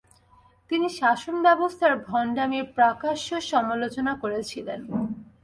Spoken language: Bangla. তিনি শাসন ব্যবস্থার ভণ্ডামির প্রাকাশ্য় সমালোচনা করেছিলেন।